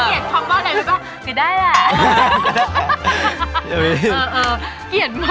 เลยเปรียบ๙๑๑ก็